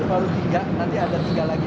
baru tiga nanti ada tiga lagi